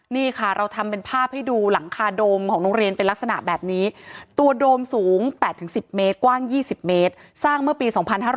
นี่ค่ะเราทำเป็นภาพให้ดูหลังคาโดมของโรงเรียนเป็นลักษณะแบบนี้ตัวโดมสูง๘๑๐เมตรกว้าง๒๐เมตรสร้างเมื่อปี๒๕๕๙